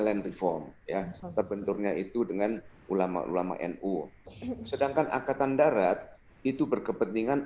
land reform ya terbenturnya itu dengan ulama ulama nu sedangkan angkatan darat itu berkepentingan